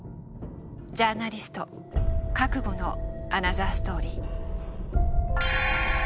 ジャーナリスト覚悟のアナザーストーリー。